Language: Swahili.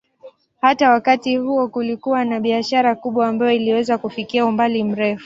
Hata wakati huo kulikuwa na biashara kubwa ambayo iliweza kufikia umbali mrefu.